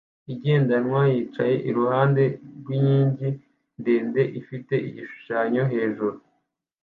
igendanwa yicaye iruhande yinkingi ndende ifite igishusho hejuru